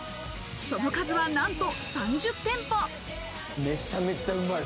その数は、なんと３０店舗。